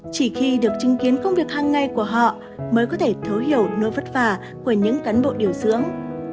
chỉ khi được chứng kiến công việc hàng ngày của họ mới có thể thấu hiểu nỗi vất vả của những cán bộ điều dưỡng